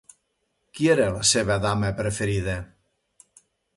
Qui era la seva dama preferida?